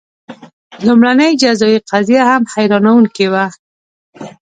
لومړنۍ جزايي قضیه هم حیرانوونکې وه.